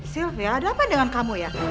sylvia ada apain dengan kamu ya